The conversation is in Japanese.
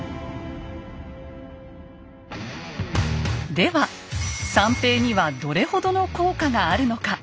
では散兵にはどれほどの効果があるのか。